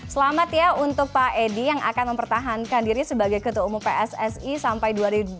selamat ya untuk pak edi yang akan mempertahankan diri sebagai ketua umum pssi sampai dua ribu dua puluh empat